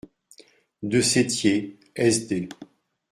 de Sétier, s.d.